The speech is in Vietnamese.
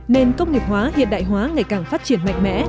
nền công nghiệp hóa hiện đại hóa ngày càng phát triển mạnh mẽ